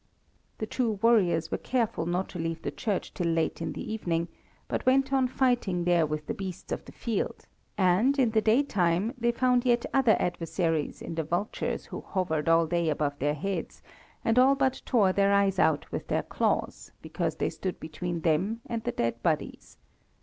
The two warriors were careful not to leave the church till late in the evening, but went on fighting there with the beasts of the field, and, in the daytime, they found yet other adversaries in the vultures who hovered all day above their heads, and all but tore their eyes out with their claws, because they stood between them and the dead bodies.